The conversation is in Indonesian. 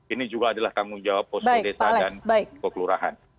ini juga adalah tanggung jawab posko desa dan kekelurahan